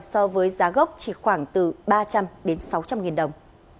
so với giá gốc chỉ khoảng từ ba trăm linh đến sáu trăm linh nghìn đồng